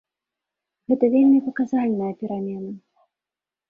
Гэта вельмі паказальная перамена.